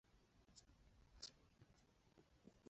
告诉分为告诉乃论与非告诉乃论。